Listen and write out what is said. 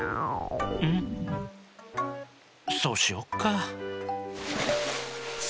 そうしよっか。